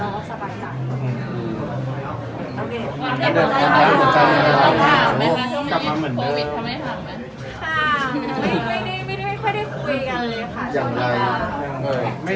เอารถตัวเองเพราะว่ามันเป็น